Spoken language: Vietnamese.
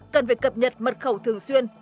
cần phải cập nhật mật khẩu thường xuyên